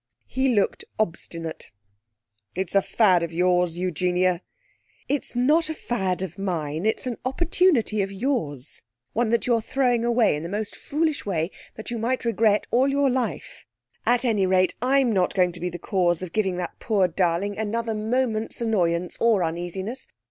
He looked obstinate. 'It's a fad of yours, Eugenia.' 'It's not a fad of mine. It's an opportunity of yours one that you're throwing away in the most foolish way, that you might regret all your life. At any rate, I'm not going to be the cause of giving that poor darling another moment's annoyance or uneasiness.